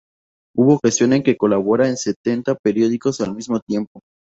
Hubo ocasión en que colaboraba en setenta periódicos al mismo tiempo"